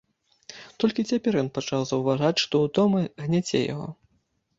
Толькі цяпер ён пачаў заўважаць, што ўтома гняце яго.